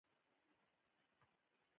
مېلمه ته مه وایه چې کار لرم.